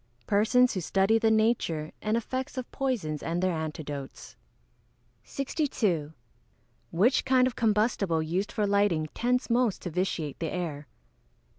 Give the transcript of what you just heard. _ Persons who study the nature and effects of poisons and their antidotes. 62. _Which kind of combustible used for lighting tends most to vitiate the air?